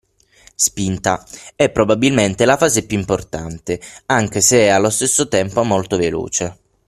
Spinta: è probabilmente la fase più importante, anche se è allo stesso tempo molto veloce.